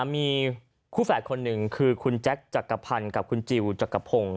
มีคู่แฝดคนหนึ่งคือคุณแจ็คจักรพันธ์กับคุณจิลจักรพงศ์